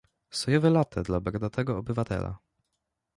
Sojowe late dla brodatego obywatela.